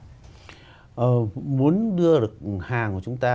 nếu mà chúng ta muốn đưa được hàng của chúng ta